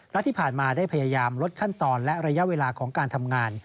และที่ผ่านมาได้พยายามลดขั้นตอนและระยะเวลาของการทำงาน